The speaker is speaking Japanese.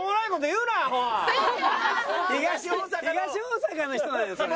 東大阪の人なのよそれ。